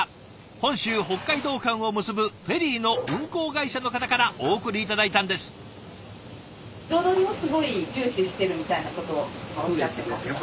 本州北海道間を結ぶフェリーの運航会社の方からお送り頂いたんです。